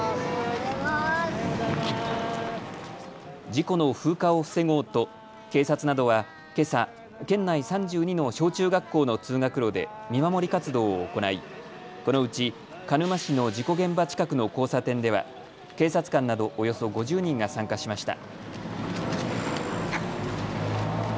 事故の風化を防ごうと警察などは、けさ、県内３２の小中学校の通学路で見守り活動を行いこのうち鹿沼市の事故現場近くの交差点では警察官などおよそ５０人が参加しました。